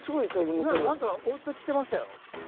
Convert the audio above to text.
何か追ってきてましたよ。